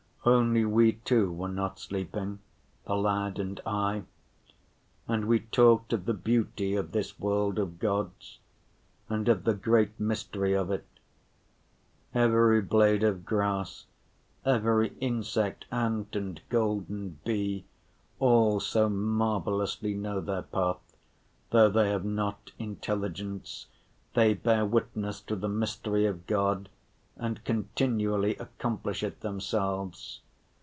Only we two were not sleeping, the lad and I, and we talked of the beauty of this world of God's and of the great mystery of it. Every blade of grass, every insect, ant, and golden bee, all so marvelously know their path, though they have not intelligence, they bear witness to the mystery of God and continually accomplish it themselves.